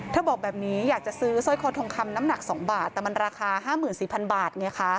ถ้าบอกแบบนี้อยากจะซื้อซ่อยคอทองคำน้ำหนักสองบาทแต่มันราคาห้าหมื่นสี่พันบาทไงค่ะ